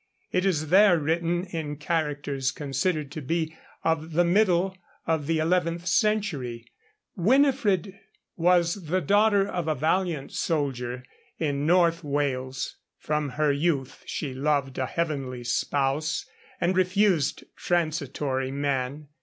It is there written in characters considered to be of the middle of the eleventh century. Winifred was the daughter of a valiant soldier in North Wales; from her youth she loved a heavenly spouse, and refused transitory men.